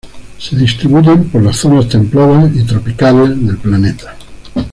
Se distribuyen por las zonas templadas y tropicales del planeta.